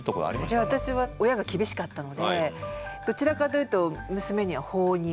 私は親が厳しかったのでどちらかというと娘には放任。